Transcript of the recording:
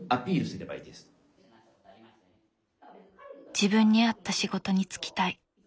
「自分に合った仕事に就きたい」。